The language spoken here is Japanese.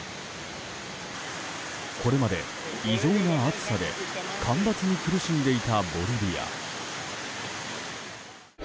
これまで異常な暑さで干ばつに苦しんでいたボリビア。